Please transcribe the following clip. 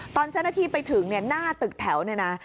ตอนเจ้าหน้าที่ไปถึงเนี่ยหน้าตึกแถวเนี่ยนะ